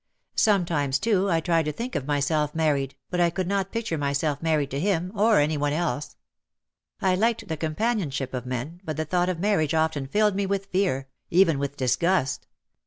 Sometimes, too, I tried to think of myself married, but I could not picture myself married to him or any one else. I liked the com panionship of men, but the thought of marriage often filled me with fear, even with disgust.